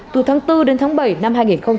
từ tháng bốn đến tháng bảy năm hai nghìn hai mươi